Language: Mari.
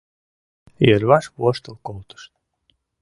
Йырваш воштыл колтышт.